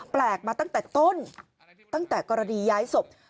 แปลกมาตั้งแต่ต้นตั้งแต่กรณีย้ายศพ